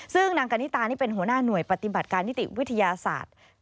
ซึ่งนางกานิตานี่เป็นหัวหน้าหน่วยปฏิบัติการนิติวิทยาศาสตร์